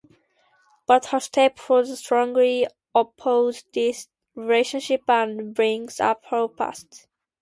But her step father strongly opposes this relationship and brings up her past.